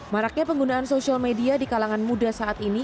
maraknya penggunaan media sosial di kalangan muda saat ini